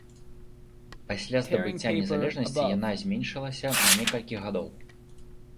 Пасля здабыцця незалежнасці яна зменшылася на некалькі гадоў.